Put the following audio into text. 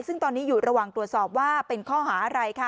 ซึ่งตอนนี้อยู่ระหว่างตรวจสอบว่าเป็นข้อหาอะไรค่ะ